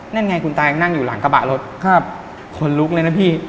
นั่นไงคุณตายังนั่งอยู่หลังกระบะรถครับขนลุกเลยนะพี่